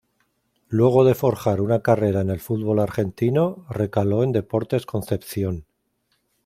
Luego de forjar una carrera en el fútbol argentino, recaló en Deportes Concepción.